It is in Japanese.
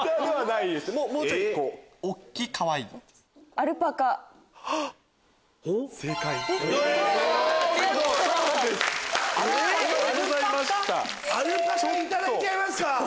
アルパカいただいちゃいますか？